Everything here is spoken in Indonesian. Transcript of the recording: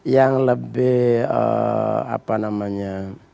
yang lebih apa namanya